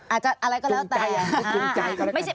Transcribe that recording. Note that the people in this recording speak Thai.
อะไรก็แล้วแต่